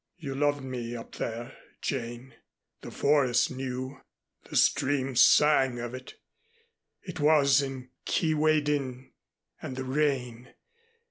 "You loved me up there, Jane. The forest knew. The stream sang of it. It was in Kee way din and the rain.